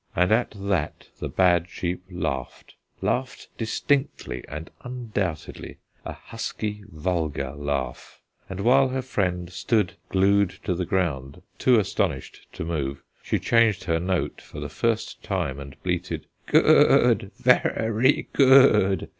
And at that the bad sheep laughed laughed distinctly and undoubtedly, a husky, vulgar laugh; and, while her friend stood glued to the ground, too astonished to move, she changed her note for the first time and bleated: "Go o o d, ve e ry go o o d!